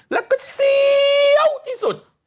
แล้วก็เสียวที่สุด